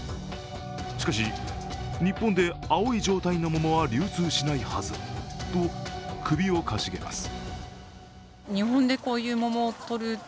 しかし、日本で青い状態の桃は流通しないはずと首をかしげます。